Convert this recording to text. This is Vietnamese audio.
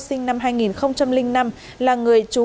sinh năm hai nghìn năm là người trú